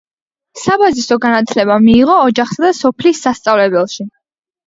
საბაზისო განათლება მიიღო ოჯახსა და სოფლის სასწავლებელში.